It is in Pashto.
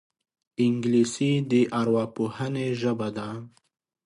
انګلیسي د ارواپوهنې ژبه ده